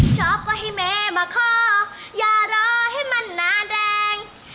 ชอบกว่าหิมิมาคอกอย่ารอให้มันนานแรง